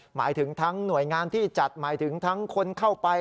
หมายถึงทั้งหน่วยงานที่จัดหมายถึงทั้งคนเข้าไป